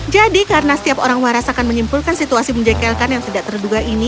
jadi karena setiap orang waras akan menyimpulkan situasi menjekelkan yang tidak terduga ini